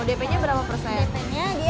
dp nya berapa persen